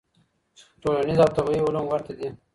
ټولنيز او طبيعي علوم ورته دي.